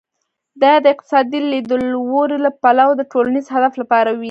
دا د اقتصادي لیدلوري له پلوه د ټولنیز هدف لپاره وي.